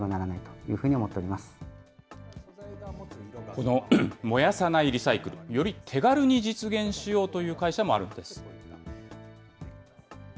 この燃やさないリサイクル、より手軽に実現しようという会社もあるんです。